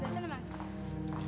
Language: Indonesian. sudah sana mas